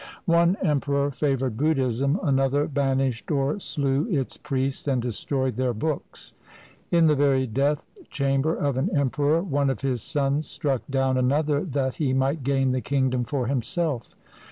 One emperor favored Buddhism; another banished or slew its priests and destroyed their books. In the very death cham ber of an emperor one of his sons struck down another that he might gain the kingdom for himself.